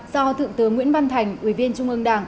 do thượng tướng nguyễn văn thành ủy viên trung ương đảng